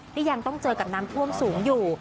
ยังต้องเจอกับน้ำท่วมสูงอยู่